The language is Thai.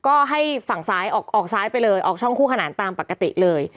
ก็ให้ฝั่งซ้ายออกซ้ายไปเลยออกช่องคู่ขนานตามปกติเลย